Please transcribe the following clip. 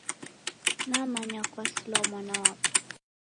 Namanya kwasilwa mwana wapo.